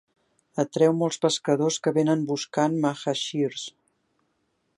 Atreu molts pescadors que venen buscant mahasheers.